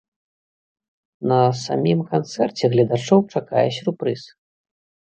На самім канцэрце гледачоў чакае сюрпрыз.